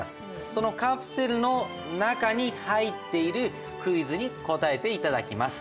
そのカプセルの中に入っているクイズに答えて頂きます。